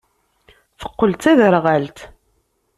Teqqel d taderɣalt.